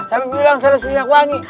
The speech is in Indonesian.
sambil bilang seles minyak wangi